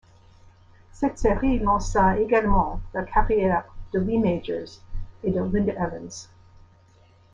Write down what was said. Cette série lança également la carrière de Lee Majors et de Linda Evans.